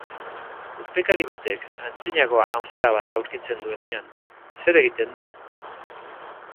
Urpekari batek aintzinako anfora bat aurkitzen duenean, zer egiten da?